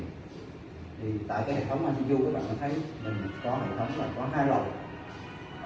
tại cái hệ thống icu các bạn có thể thấy mình có hệ thống mà có hai lọc